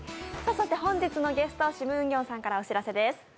本日のゲスト、シム・ウンギョンさんからお知らせです。